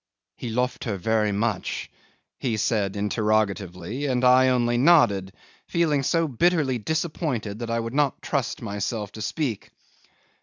"He loved her very much," he said interrogatively, and I only nodded, feeling so bitterly disappointed that I would not trust myself to speak.